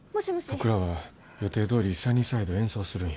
僕らは予定どおり「サニーサイド」を演奏するんや。